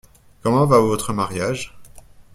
Comment va votre mariage ?